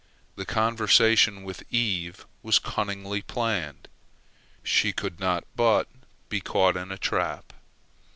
The conversation with Eve was cunningly planned, she could not but be caught in a trap.